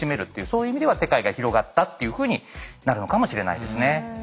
そういう意味では世界が広がったっていうふうになるのかもしれないですね。